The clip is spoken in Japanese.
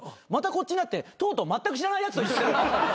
こっちになってとうとうまったく知らないやつと。